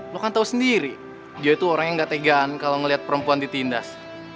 lo kan tau sendiri dia tuh orang yang gak tegan kalau ngeliat perempuan ditindas